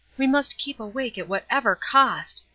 we must keep awake at whatever cost.